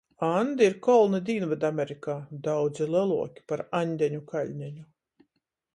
Andi ir kolni Dīnvydamerikā, daudzi leluoki par Aņdeņu kaļneņu.